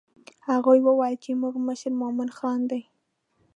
هغوی وویل چې زموږ مشر مومن خان دی.